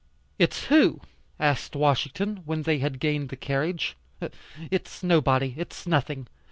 "It's who?" asked Washington, when they had gained the carriage. "It's nobody, it's nothing.